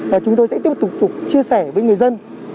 và chúng tôi sẽ tiếp tục chia sẻ với người dân